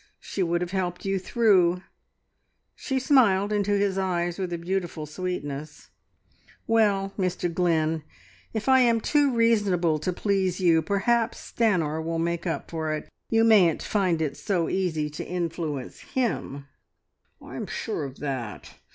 She would have helped you through." She smiled into his eyes with a beautiful sweetness. "Well, Mr Glynn, if I am too reasonable to please you, perhaps Stanor will make up for it. You mayn't find it so easy to influence him." "I'm sure of that.